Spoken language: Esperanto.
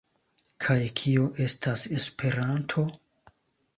Kaj kio estas Esperanto?